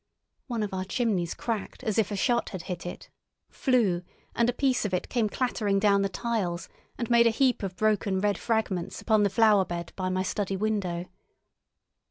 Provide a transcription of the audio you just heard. One of our chimneys cracked as if a shot had hit it, flew, and a piece of it came clattering down the tiles and made a heap of broken red fragments upon the flower bed by my study window.